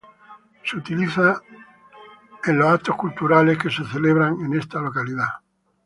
Es utilizado para los actos culturales que se celebran en esta localidad.